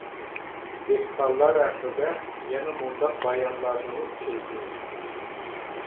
دېھقانلار ھەققىدە يەنە مۇنداق بايانلارنىمۇ ئۇچرىتىمىز.